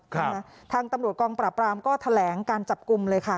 ทางตำรวจกองปราบรามก็แถลงการจับกลุ่มเลยค่ะ